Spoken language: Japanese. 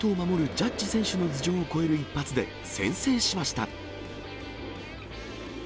ジャッジ選手の頭上を越える一発で、先制しました。